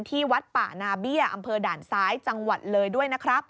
ที่วัดป่านาเบี้ยอำเภอด่านซ้ายจังหวัดเลยด้วยนะครับ